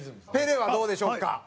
ペレはどうでしょうか？